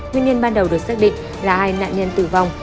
nguyên nhân ban đầu được xác định là hai nạn nhân tử vong